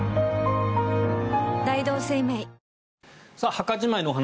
墓じまいのお話